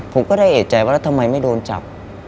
ผมก็ได้เอกใจว่าแล้วทำไมไม่โดนจับ